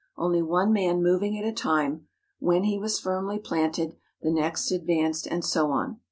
Only one man moving at a time, when he was firmly planted, the next advanced, and so on.